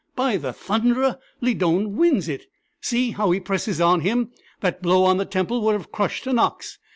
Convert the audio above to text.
"By the Thunderer! Lydon wins it. See how he presses on him! That blow on the temple would have crushed an ox!